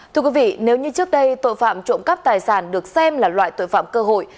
thưa quý vị nếu như trước đây tội phạm trộm cắp tài sản được xem là loại tội phạm cơ hội